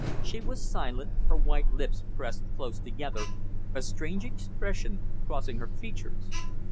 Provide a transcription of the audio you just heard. She was silent, her white lips pressed close together, a strange expression crossing her features.